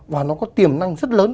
và nó có tiềm năng rất lớn